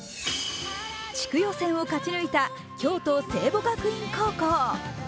地区予選を勝ち抜いた京都聖母学院高校。